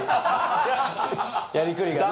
やりくりがね